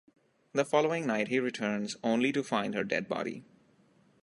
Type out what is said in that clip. The following night he returns, only to find her dead body.